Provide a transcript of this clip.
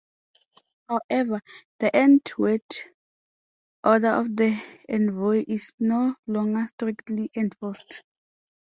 However, the end-word order of the envoi is no longer strictly enforced.